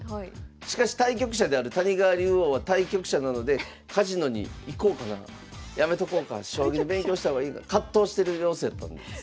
しかし対局者である谷川竜王は対局者なのでカジノに行こうかなやめとこうか将棋の勉強した方がいいかな葛藤してる様子やったんですね。